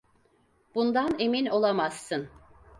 Bundan emin olamazsın.